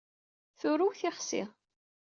Turew tixsi.